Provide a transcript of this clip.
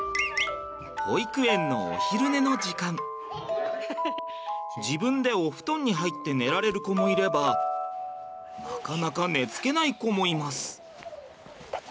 保育園の自分でお布団に入って寝られる子もいればなかなか寝つけない子もいます。